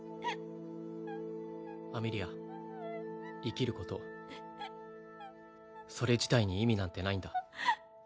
アメリア生きることそれ自体に意味なんてないんだ